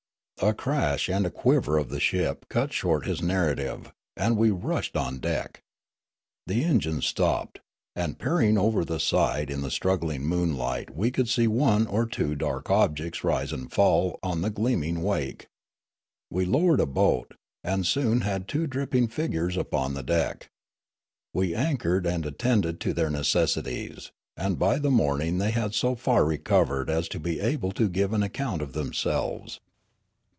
A crash and a quiver of the ship cut short his narrative, and we rushed on deck. The engines stopped, and peering over the side in the struggling moonlight we could see one or two dark objects rise and fall on the gleaming wake. We lowered a boat, and soon had two dripping figures upon the deck. We anchored and attended to their necessities ; and by the morning they had so far re covered as to be able to give an account of themselves.